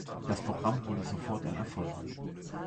Das Programm wurde sofort ein Erfolg.